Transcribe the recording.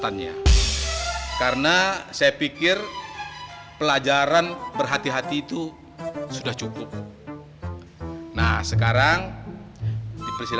neraka jahanam lagi yang diomongin